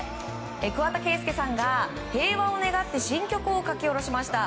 桑田佳祐さんが平和を願って新曲を書き下ろしました。